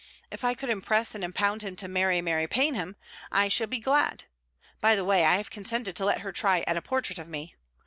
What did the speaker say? If I could impress and impound him to marry Mary Paynham, I should be glad. By the way, I have consented to let her try at a portrait of me.